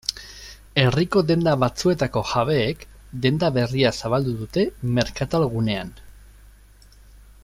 Herriko denda batzuetako jabeek, denda berria zabaldu dute merkatal-gunean.